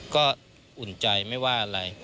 ก็อุ่นใจไม่ว่าอะไร